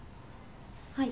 はい。